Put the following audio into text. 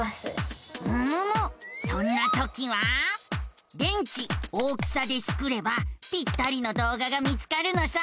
そんなときは「電池大きさ」でスクればぴったりの動画が見つかるのさ。